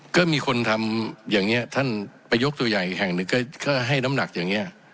ก็มีคนทำอย่างนี้ท่านประยกตัวอย่างหนึ่งก็ให้น้ำหนักอย่างนี้